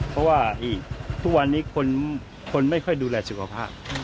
เพราะว่าทุกวันนี้คนไม่ค่อยดูแลสุขภาพ